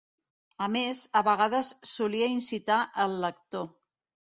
A més, a vegades solia incitar el lector.